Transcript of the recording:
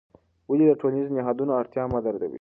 ولې د ټولنیزو نهادونو اړتیا مه ردوې؟